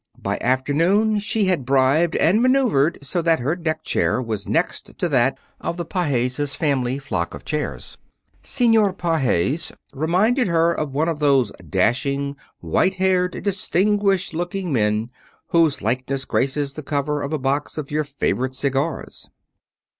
By afternoon, she had bribed and maneuvered so that her deck chair was next that of the Pages family flock of chairs. Senor Pages reminded her of one of those dashing, white haired, distinguished looking men whose likeness graces the cover of a box of your favorite cigars.